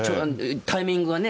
タイミングがね。